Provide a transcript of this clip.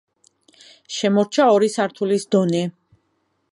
შემორჩა ორი სართულის დონე.